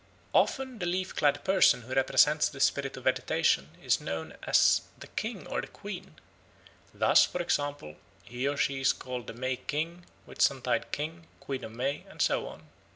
Often the leaf clad person who represents the spirit of vegetation is known as the king or the queen; thus, for example, he or she is called the May King, Whitsuntide King, Queen of May, and so on.